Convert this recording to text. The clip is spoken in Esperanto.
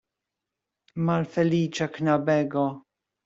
Malfeliĉa knabego!